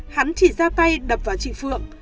hắn chỉ ra tay đập vào chị phượng